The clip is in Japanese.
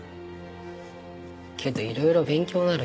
けどいろいろ勉強になるよ。